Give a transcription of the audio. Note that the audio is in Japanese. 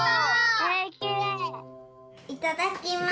いただきます。